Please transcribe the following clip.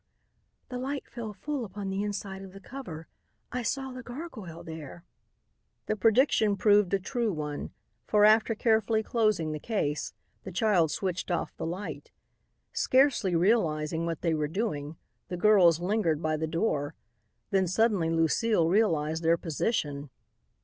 "The light fell full upon the inside of the cover. I saw the gargoyle there." The prediction proved a true one, for, after carefully closing the case, the child switched off the light. Scarcely realizing what they were doing, the girls lingered by the door. Then suddenly Lucile realized their position.